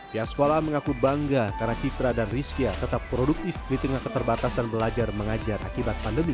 pihak sekolah mengaku bangga karena citra dan rizkia tetap produktif di tengah keterbatasan belajar mengajar akibat pandemi